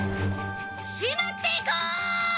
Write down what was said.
しまっていこ！